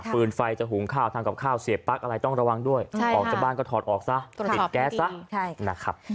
ปืนไฟจะหุงข้าวทำกับข้าวเสียบปั๊กอะไรต้องระวังด้วยออกจากบ้านก็ถอดออกซะติดแก๊สซะนะครับ